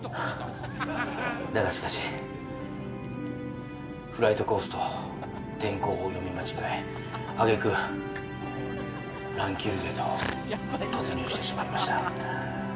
だがしかしフライトコースと天候を読み間違え挙げ句乱気流へと突入してしまいました。